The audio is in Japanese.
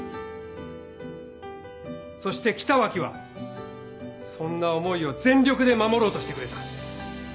そして北脇はそんな思いを全力で守ろうとしてくれた。